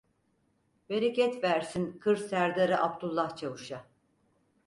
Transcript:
Bereket versin kır Serdarı Abdullah Çavuş'a.